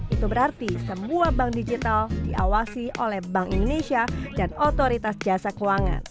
itu berarti semua bank digital diawasi oleh bank indonesia dan otoritas jasa keuangan